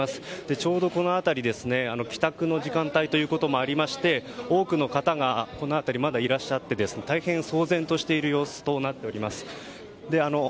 ちょうどこの辺り帰宅の時間帯ということもありまして多くの方がこの辺りまだいらっしゃって大変、騒然としている様子となっております。